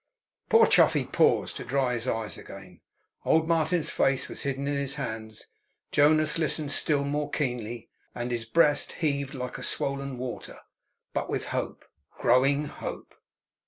Poor Chuffey paused to dry his eyes again. Old Martin's face was hidden in his hands. Jonas listened still more keenly, and his breast heaved like a swollen water, but with hope. With growing hope.